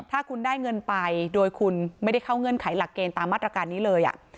ถ้าคุณได้เงินไปโดยคุณไม่ได้เข้าเงื่อนไขหลักเกณฑ์ตามมาตรการนี้เลย